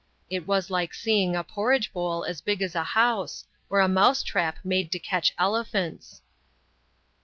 It was like seeing a porridge bowl as big as a house, or a mouse trap made to catch elephants."